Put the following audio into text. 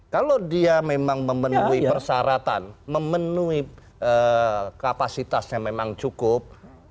kalau dia memang memenuhi persyaratan memenuhi kapasitasnya memang cukup